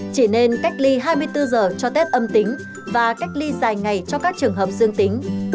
chỉ nên cách ly hai mươi bốn giờ cho tết âm tính và cách ly dài ngày cho các trường hợp dương tính